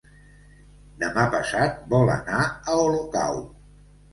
Demà passat vol anar a Olocau.